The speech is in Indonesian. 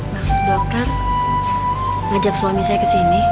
masuk dokter ngajak suami saya ke sini